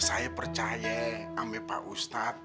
saya percaya sampai pak ustadz